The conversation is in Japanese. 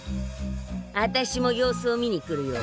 あたしも様子を見に来るよ。